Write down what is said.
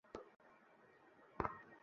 অন্ধকারে চোখ থেকেও কোনো লাভ নেই।